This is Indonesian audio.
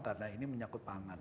karena ini menyakut pangan